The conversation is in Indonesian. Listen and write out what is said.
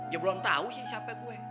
dia belum tahu sih siapa gue